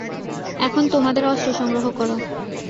এখন তোমাদের অস্ত্র সংগ্রহ করো।